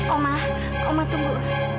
oma oma tunggu